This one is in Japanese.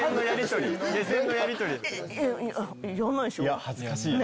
いや恥ずかしいね。